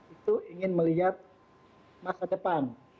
itu ingin melihat masa depan